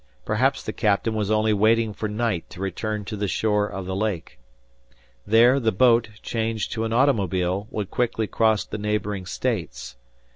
Perhaps the captain was only waiting for night to return to the shore of the lake. There, the boat, changed to an automobile, would quickly cross the neighboring States.